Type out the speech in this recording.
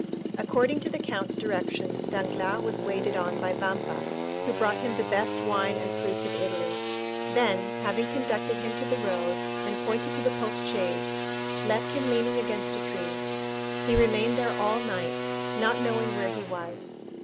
According to the count's directions, Danglars was waited on by Vampa, who brought him the best wine and fruits of Italy; then, having conducted him to the road, and pointed to the post chaise, left him leaning against a tree. He remained there all night, not knowing where he was.